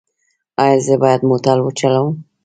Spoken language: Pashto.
ایا زه باید موټر وچلوم؟